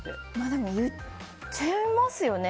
でも、言っちゃいますよね。